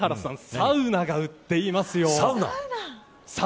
サウナを売っています。